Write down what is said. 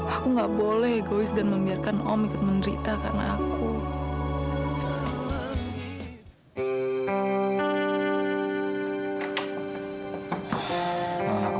aku gak boleh egois dan membiarkan om ikut menderita karena aku